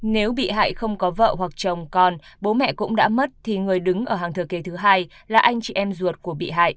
nếu bị hại không có vợ hoặc chồng con bố mẹ cũng đã mất thì người đứng ở hàng thừa kỳ thứ hai là anh chị em ruột của bị hại